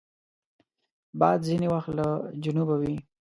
باد ځینې وخت له جنوبه وي